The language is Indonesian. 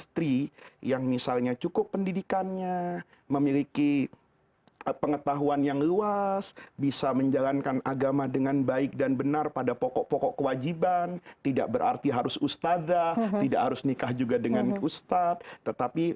tapi fungsi kontrolnya ada